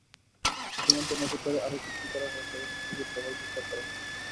সীমান্তে নজরদারি আরও বৃদ্ধি করা হয়েছে এবং বিজিবির টহল জোরদার করা হয়েছে।